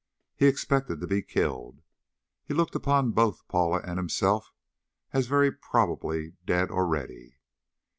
He expected to be killed. He looked upon both Paula and himself as very probably dead already.